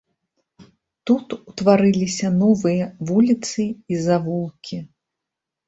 Тут утварыліся новыя вуліцы і завулкі.